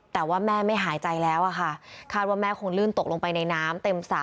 แต่ว่าแม่ไม่หายใจแล้วอะค่ะคาดว่าแม่คงลื่นตกลงไปในน้ำเต็มสระ